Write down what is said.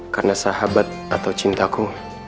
karena sahabat atau cintaku